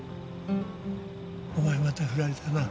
お前またフラれたな。